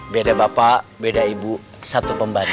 beda bapak beda ibu satu pembantu